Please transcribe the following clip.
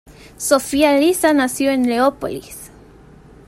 Zofia Lissa nació en Leópolis.